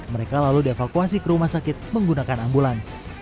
mereka lalu dievakuasi ke rumah sakit menggunakan ambulans